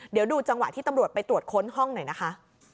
เดี๋ยวดูจังหวะที่ตำรวจไปตรวจค้นห้องหน่อยนะคะ